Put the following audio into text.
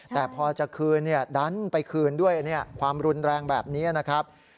แต่พอจะคืนดันไปคืนด้วยความรุนแรงแบบนี้นะครับ